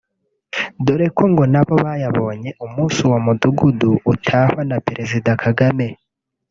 dore ko ngo nabo bayabonye umunsi uwo mudugudu utahwa na Perezida Kagame